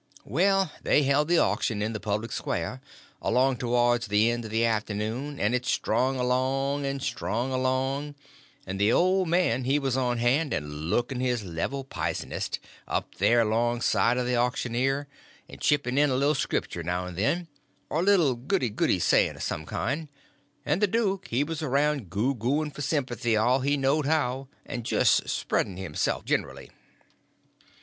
Well, they held the auction in the public square, along towards the end of the afternoon, and it strung along, and strung along, and the old man he was on hand and looking his level pisonest, up there longside of the auctioneer, and chipping in a little Scripture now and then, or a little goody goody saying of some kind, and the duke he was around goo gooing for sympathy all he knowed how, and just spreading himself generly.